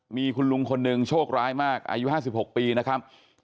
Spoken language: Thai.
มีคุณลุงคนหนึ่งโชคร้ายมากอายุ๕๖ปีนะครับ